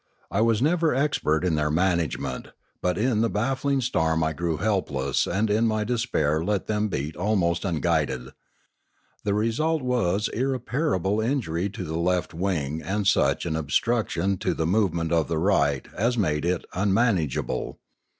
I was never expert in their management, but in the baffling storm I grew helpless and in my de spair let them beat almost unguided. The result was irreparable injury to the left wing and such an obstruc tion to the movement of the right as made it unman ageable.